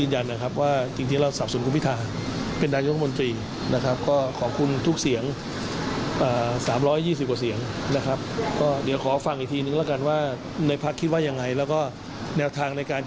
ส่วนประเด็นที่ทางก้าวกลายกัน